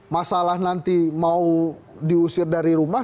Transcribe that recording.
masalah nanti mau diusir dari rumah